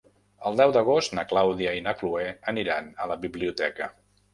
El deu d'agost na Clàudia i na Cloè aniran a la biblioteca.